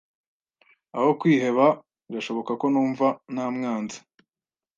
Aho kwiheba, birashoboka ko numva namwanze.